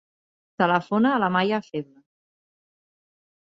Telefona a l'Amaia Febles.